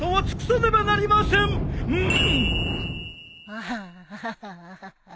アハハハハハ。